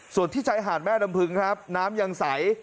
ส่วนที่ชายหาดแม่ลำพึงครับน้ำยังใส